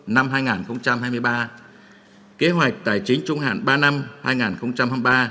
năm hai nghìn hai mươi ba kế hoạch tài chính trung hạn ba năm hai nghìn hai mươi ba hai nghìn hai mươi năm